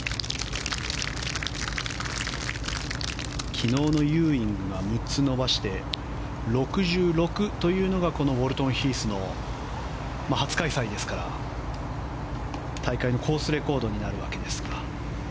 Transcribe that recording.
昨日のユーイングが３つ伸ばして６６というのがウォルトンヒースの初開催ですから大会のコースレコードになるわけですが。